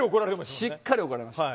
しっかり怒られましたね。